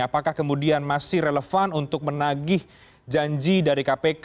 apakah kemudian masih relevan untuk menagih janji dari kpk